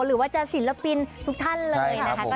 หรือว่าจะศิลปินทุกท่านเลยนะคะ